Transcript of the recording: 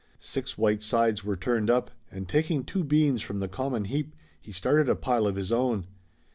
Six white sides were turned up and taking two beans from the common heap he started a pile of his own.